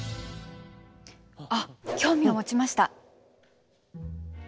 あっ興味を持ちました！